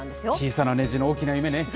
小さなネジの大きな夢ね。